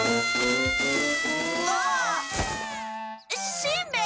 しんべヱ？